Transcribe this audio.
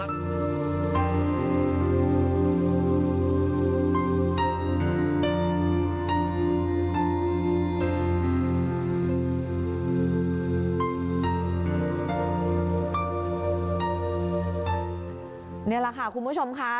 นี่แหละค่ะคุณผู้ชมค่ะ